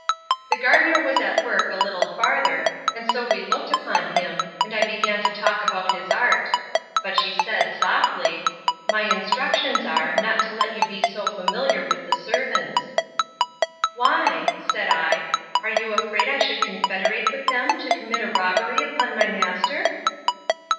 The gardener was at work a little farther, and so we looked upon him, and I began to talk about his art; but she said, softly, My instructions are, not to let you be so familiar with the servants. Why, said I, are you afraid I should confederate with them to commit a robbery upon my master?